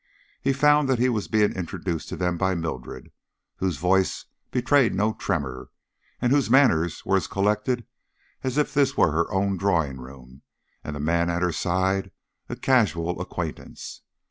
He found that he was being introduced to them by Mildred, whose voice betrayed no tremor, and whose manners were as collected as if this were her own drawing room, and the man at her side a casual acquaintance.